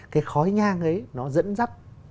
cái khói nhang ấy nó dẫn dắt